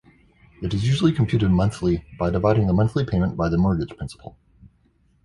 It is usually computed monthly by dividing the monthly payment by the mortgage principal.